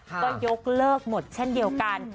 ก็ยกเลิกหมดเช่นเดียวกัน